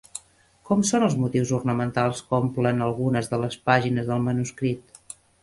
Com són els motius ornamentals que omplen algunes de les pàgines del manuscrit?